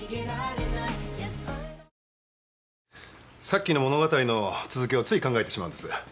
さっきの物語の続きをつい考えてしまうんです。